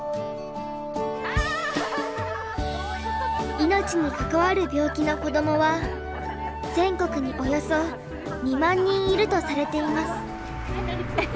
命にかかわる病気の子どもは全国におよそ２万人いるとされています。